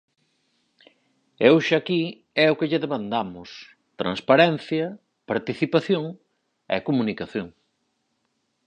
E hoxe aquí é o que lle demandamos: transparencia, participación e comunicación.